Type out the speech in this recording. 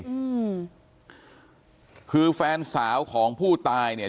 แฟนสาวของตัวเองคือแฟนสาวของผู้ตายเนี่ย